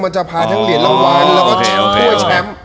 จะพาทั้งเหรียญรางวัลแล้วก็แชมป์ถ้วยแชมป์